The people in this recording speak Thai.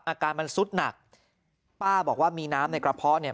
อาการมันซุดหนักป้าบอกว่ามีน้ำในกระเพาะเนี่ย